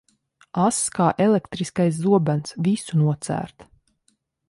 Ass kā elektriskais zobens, visu nocērt.